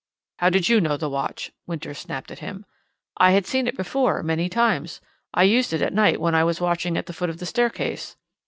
"How did you know the watch?" Winters snapped at him. "I had seen it before, many times. I used it at night when I was watching at the foot of the staircase."